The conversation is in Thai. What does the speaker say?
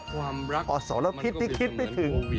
ความรักมันก็เป็นเหมือนโควิด